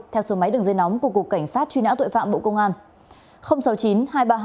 theo số máy đường dây nóng của cục cảnh sát truy nã tội phạm bộ công an